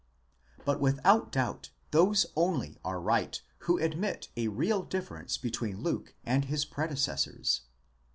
but without doubt those only are right who admit a real difference between Luke and his pre decessors.